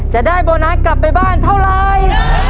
จะได้โบนัสกลับไปบ้านเท่าไร